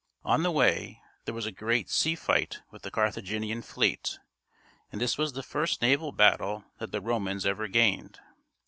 On the way, there was a great sea fight with the Carthaginian fleet, and this was the first naval battle that the Romans ever gained.